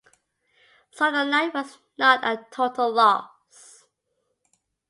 So the night was not a total loss.